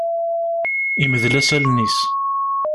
Imdel-as allen-is.